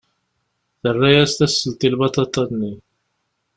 Terra-as tasselt i lbaṭaṭa-nni.